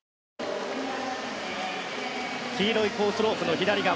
黄色いコースロープの左側